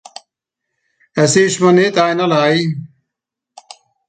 Es ìsch mìr nìtt einerlei.